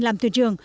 làm thuyền trường